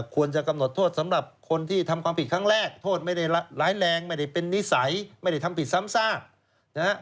ควรจะกำหนดโทษสำหรับคนที่ทำความผิดครั้งแรกโทษไม่ได้ร้ายแรงไม่ได้เป็นนิสัยไม่ได้ทำผิดซ้ำซากนะฮะ